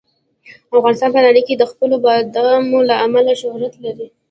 افغانستان په نړۍ کې د خپلو بادامو له امله شهرت لري.